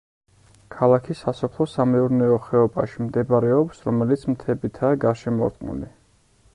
ქალაქი სასოფლო-სამეურნეო ხეობაში მდებარეობს, რომელიც მთებითაა გარშემორტყმული.